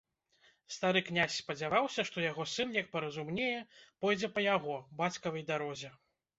Стары князь спадзяваўся, што яго сын, як паразумнее, пойдзе па яго, бацькавай, дарозе.